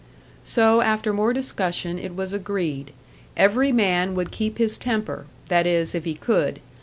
So, after more discussion, it was agreed; every man would keep his temper that is, if he could!